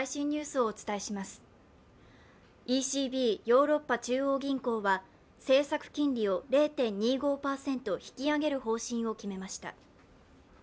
ＥＣＢ＝欧州中央銀行は政策金利を０．２５％引き上げる方針を決めました。